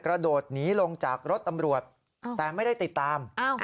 กระโดดหนีลงจากรถตำรวจแต่ไม่ได้ติดตาม